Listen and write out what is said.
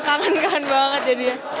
kangen kangen banget jadinya